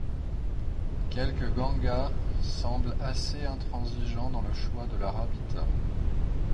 Quelques gangas semblent assez intransigeants dans le choix de leur habitat.